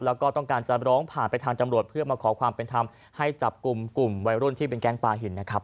แล้วก็ต้องการจะร้องผ่านไปทางจำรวจเพื่อมาขอความเป็นธรรมให้จับกลุ่มกลุ่มวัยรุ่นที่เป็นแก๊งปลาหินนะครับ